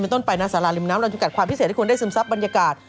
ต้นไปนะสาราริมน้ำเราจำกัดความพิเศษให้คุณได้ซึมซับบรรยากาศ